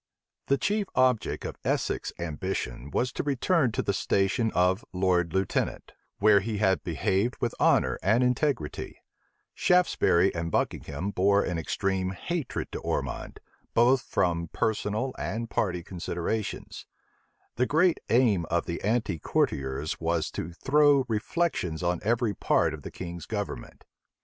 The chief object of Essex's ambition was to return to the station of lord lieutenant, where he had behaved with honor and integrity: Shaftesbury and Buckingham bore an extreme hatred to Ormond, both from personal and party considerations: the great aim of the anti courtiers was to throw reflections on every part of the king's government.